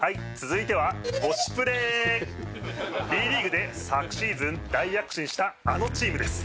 Ｂリーグで昨シーズン大躍進したあのチームです！